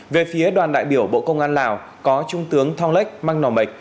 về phía đoàn đại biểu bộ công an lào có trung tướng thong lech mang nò mịch